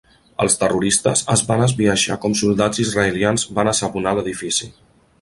Els terroristes es van esbiaixar com soldats israelians van assabomar l'edifici.